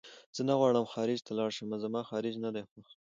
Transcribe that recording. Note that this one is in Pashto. زه نه غواړم خارج ته لاړ شم زما خارج نه دی خوښ